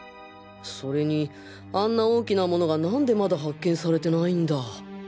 それにあんな大きなものがなんでまだ発見されてないんだ。